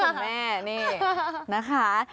ขับแม่นี่นะคะ